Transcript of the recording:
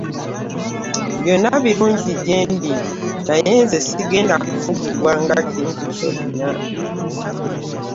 Byonna birungi gyendi naye nze sigenda kufugibwanga kintu kyonna.